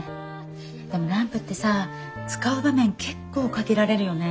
でもランプってさ使う場面結構限られるよね。